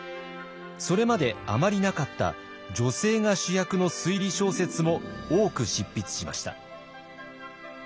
それまであまりなかった女性が主役の推理小説も多く執筆しました。